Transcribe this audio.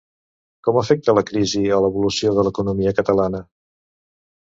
Com afecta la crisi a l'evolució de l'economia catalana?